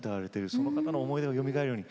その方の思い出がよみがえるように。